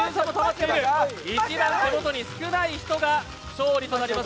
一番手元に少ない人が勝利となります。